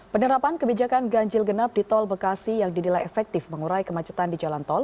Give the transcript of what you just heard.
penerapan kebijakan ganjil genap di tol bekasi yang dinilai efektif mengurai kemacetan di jalan tol